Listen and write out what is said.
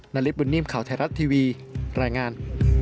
นาริสบุญนิ่มข่าวไทยรัฐทีวีรายงาน